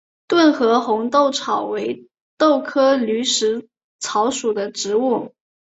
顿河红豆草为豆科驴食草属的植物。